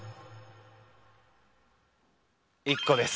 １個です。